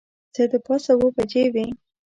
څه د پاسه اوه بجې وې.